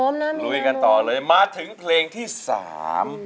มาถึงเพลงที่สาม